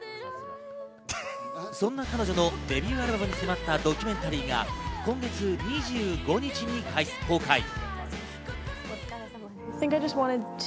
そんな彼女のデビューアルバムに迫ったドキュメンタリーが今月２５日に公開。